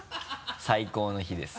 最高の日です。